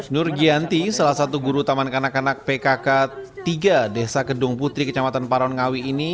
nur giyanti salah satu guru taman kanak kanak pkk tiga desa kedung putri kecamatan parangawi ini